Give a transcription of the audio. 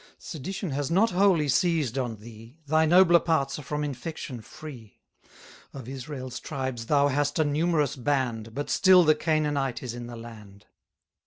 Sedition has not wholly seized on thee, Thy nobler parts are from infection free. Of Israel's tribes thou hast a numerous band, But still the Canaanite is in the land.